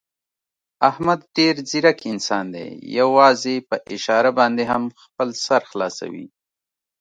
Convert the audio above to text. احمد ډېر ځیرک انسان دی، یووازې په اشاره باندې هم خپل سر خلاصوي.